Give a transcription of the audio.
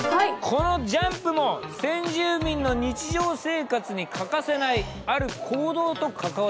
このジャンプも先住民の日常生活に欠かせないある行動と関わってる。